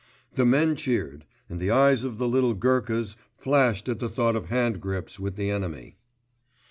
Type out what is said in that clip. The men cheered, and the eyes of the little Gurkhas flashed at the thought of handgrips with the enemy.